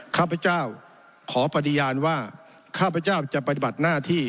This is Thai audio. ข้าพเจ้าขอปฏิญาณว่าข้าพเจ้าจะปฏิบัติหน้าที่